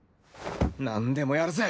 なんでもやるぜ！